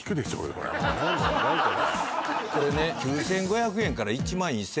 これこれね９５００円から１１０００円